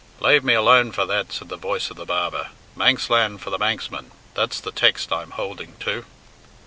"Lave me alone for that," said the voice of the barber. "Manx land for the Manx man that's the text I'm houlding to.